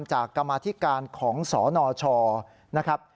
กรรมาธิการของสนชนะครับ